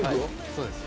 そうです。